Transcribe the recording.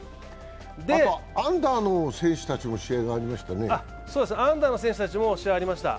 アンダーの選手たちの試合がありましたね。